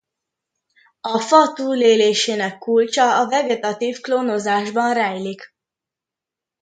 A fa túlélésének kulcsa a vegetatív klónozásban rejlik.